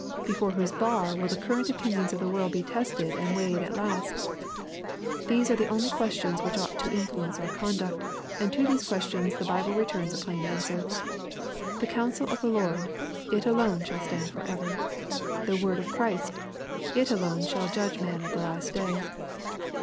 Before whose bar will the current opinions of the world be tested and weighed at last ? These are the only questions which ought to in fluence our conduct ; and to these questions the Bible returns a plain answer. The counsel of the Lord, — it alone shall stand for ever. The word of Christ, — it alone shall judge man at the last day.